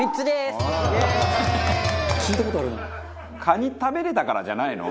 カニ食べれたからじゃないの？